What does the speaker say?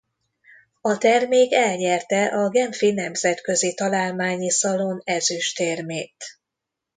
A termék elnyerte a Genfi Nemzetközi Találmányi Szalon ezüstérmét.